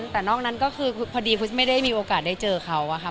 แต่นอกนั้นก็คือพอดีคริสไม่ได้มีโอกาสได้เจอเขาอะค่ะ